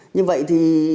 như vậy thì